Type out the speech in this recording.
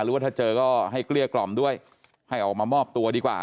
หรือว่าถ้าเจอก็ให้เกลี้ยกล่อมด้วยให้ออกมามอบตัวดีกว่า